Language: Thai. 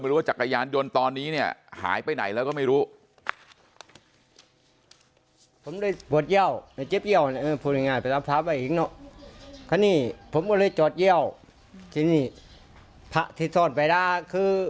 ว่าจักรยานยนต์ตอนนี้เนี่ยหายไปไหนแล้วก็ไม่รู้